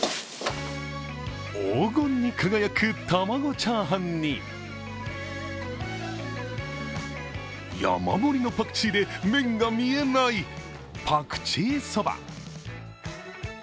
黄金に輝く卵チャーハンに山盛りのパクチーで麺が見えない、パクチーそば。